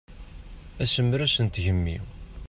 Asemres n tgemmi.